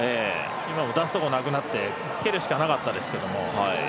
今も出すところなくなって蹴るしかなかったですけど。